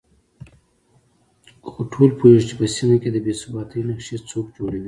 خو ټول پوهېږو چې په سيمه کې د بې ثباتۍ نقشې څوک جوړوي